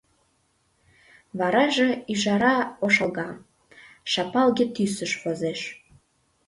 Вараже ӱжара ошалга, шапалге тӱсыш возеш.